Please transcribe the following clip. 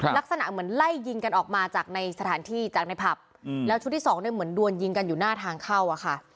ลักษณะเหมือนไล่ยิงกันออกมาจากในสถานที่จากในผับแล้วชุดที่สองเนี่ยเหมือนดวนยิงกันอยู่หน้าทางเข้าอะค่ะ